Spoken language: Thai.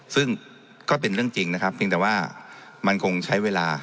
ซึ่งก็เป็นเรื่องจริงนะครับเพียงแต่ว่ามันคงใช้เวลา